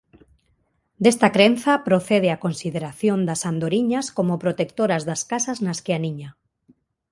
Desta crenza procede a consideración das andoriñas como protectoras das casas nas que aniña.